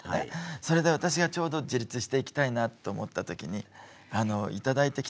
それで私がちょうど自立していきたいなって思った時に頂いてきたんですよね。